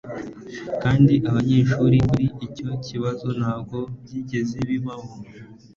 kandi abanyeshuri kuri icyo kibazo ntabwo byigeze bibaho